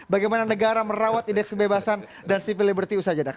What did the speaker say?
bagaimana negara merawat indeks kebebasan dan civil liberty usaha jeda